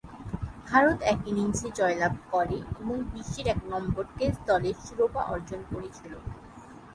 ভারত এক ইনিংসে জয়লাভ করে এবং বিশ্বের এক নম্বর টেস্ট দলের শিরোপা অর্জন করেছিল।